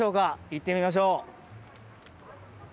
行ってみましょう。